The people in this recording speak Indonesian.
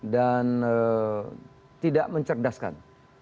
dan tidak mencerdaskan